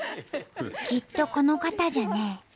きっとこの方じゃね。